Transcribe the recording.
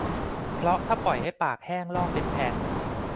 เพราะถ้าปล่อยให้ปากแห้งลอกเป็นแผ่น